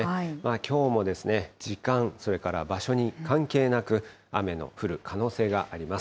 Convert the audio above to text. きょうも時間、それから場所に関係なく、雨の降る可能性があります。